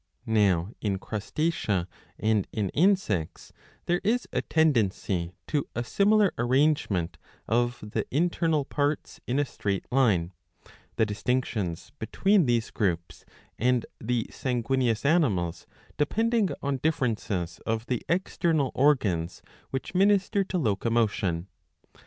Now in Crustacea and in Insects there is a tendency to a similar arrangement of the internal parts in a straight line ; the distinc tions between these groups and the sanguineous animals depending on differences of the external organs which minister to locomotion.